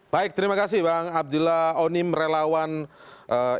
baik terima kasih bang abdillah onim relawan indonesia